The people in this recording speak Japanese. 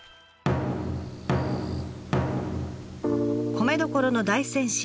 米どころの大仙市。